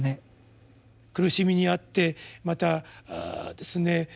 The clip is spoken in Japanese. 苦しみにあってまたですね